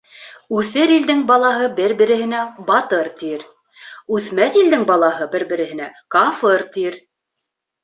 Үҫер илдең балаһы бер-береһенә «батыр» тир, Үҫмәҫ илдең балаһы бер-береһенә «кафыр» тир.